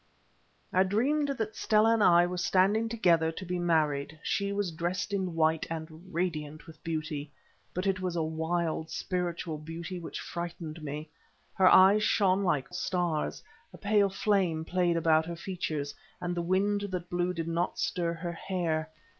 I dreamed that Stella and I were standing together to be married. She was dressed in white, and radiant with beauty, but it was a wild, spiritual beauty which frightened me. Her eyes shone like stars, a pale flame played about her features, and the wind that blew did not stir her hair.